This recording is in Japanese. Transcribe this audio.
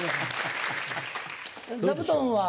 座布団は？